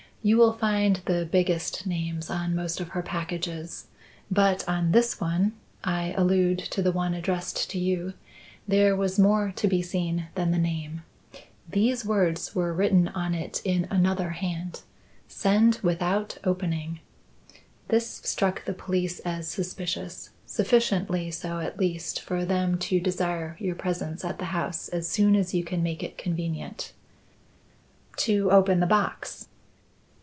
You will find the biggest names on most of her packages. But on this one I allude to the one addressed to you there was more to be seen than the name. These words were written on it in another hand. Send without opening. This struck the police as suspicious; sufficiently so, at least, for them to desire your presence at the house as soon as you can make it convenient." "To open the box?"